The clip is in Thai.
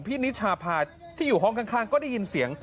นิชาพาที่อยู่ห้องข้างก็ได้ยินเสียง